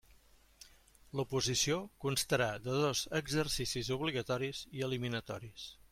L'oposició constarà de dos exercicis obligatoris i eliminatoris.